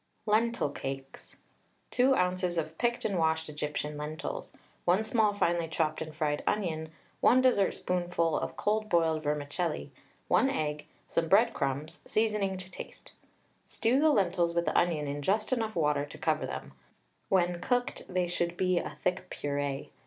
LENTIL CAKES. 2 oz. of picked and washed Egyptian lentils, 1 small finely chopped and fried onion, 1 dessertspoonful of cold boiled vermicelli, 1 egg, some breadcrumbs, seasoning to taste. Stew the lentils with the onion in just enough water to cover them; when cooked, they should be a thick purée.